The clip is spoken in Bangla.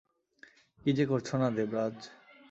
কি যে করছ না, দেবরাজ?